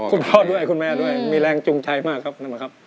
คุณพ่อด้วยคุณแม่ด้วยมีแรงจุงใจมากครับ